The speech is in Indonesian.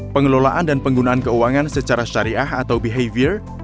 pengelolaan dan penggunaan keuangan secara syariah atau behavior